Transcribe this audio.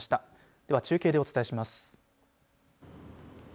では中継でお伝えします。